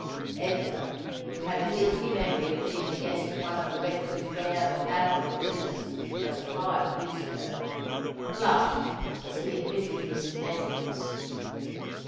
Edgar, who had a guilty memory of being a guest at one of the Rector's rare but admirable dinners, just five weeks ago, blushed as he admitted his indebtedness.